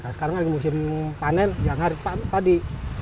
sekarang ada musim panen ya ngarit padi